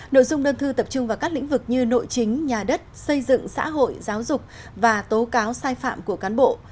nội dung đơn thư tập trung vào các lĩnh vực như nội chính nhà đất xây dựng xã hội giáo dục và tố cáo sai phạm của cán bộ